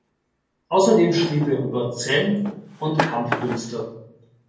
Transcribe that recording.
Außerdem schrieb er über Zen und Kampfkünste.